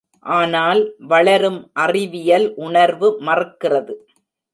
ஆனால் வளரும் அறிவியல் உணர்வு மறுக்கிறது.